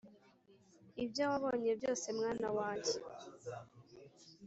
ibyo wabonye byose, mwana wamjye